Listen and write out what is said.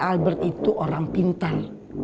albert itu orang pintar